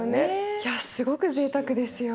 いやすごくぜいたくですよ。